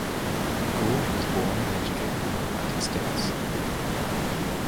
Gould was born and educated in the United States.